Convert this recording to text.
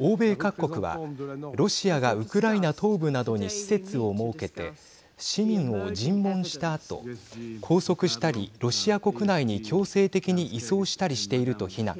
欧米各国はロシアがウクライナ東部などに施設を設けて市民を尋問したあと、拘束したりロシア国内に強制的に移送したりしていると非難。